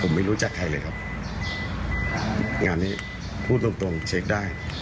ผมไม่รู้จักใครเลยครับงานนี้พูดตรงตรงเช็คได้